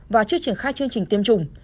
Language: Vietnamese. và chưa triển khai chương trình tiêm chủng